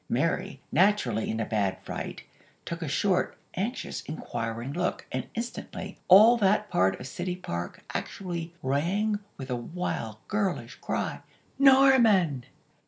Mary, naturally in a bad fright, took a short, anxious, inquiring look, and instantly, all that part of City Park actually rang with a wild girlish cry: "_Norman!!!